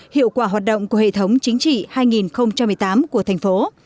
hiệu quả hoạt động của hệ thống chính trị hai nghìn một mươi tám của thành phố